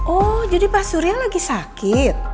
oh jadi pak surya lagi sakit